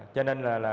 cho nên là